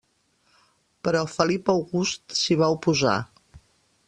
Però Felip August s'hi va oposar.